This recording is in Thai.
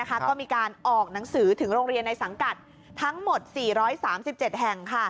ก็มีการออกหนังสือถึงโรงเรียนในสังกัดทั้งหมด๔๓๗แห่ง